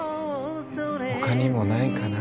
他にもないかな？